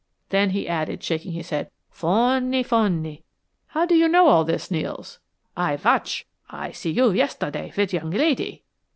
Then he added, shaking his head, "Fonny fonny." "How do you know all this, Nels?" "Aye watch. Aye see you yesterday, with yong lady."